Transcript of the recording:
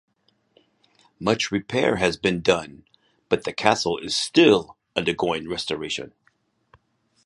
Much repair has been done, but the castle is still undergoing restoration.